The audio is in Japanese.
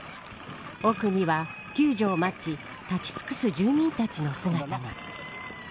奥には救助を待ち立ち尽くす住民たちの姿が。